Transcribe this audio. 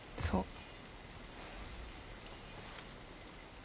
そう。